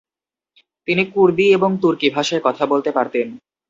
তিনি কুর্দি এবং তুর্কি ভাষায় কথা বলতে পারতেন।